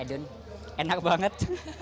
eh jun enak banget